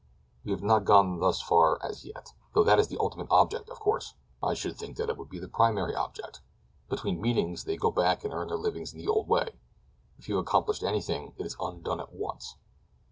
"We have not gone thus far as yet, though that is the ultimate object, of course." "I should think that it would be the primary object. Between meetings they go back and earn their livings in the old way—if you have accomplished anything it is undone at once."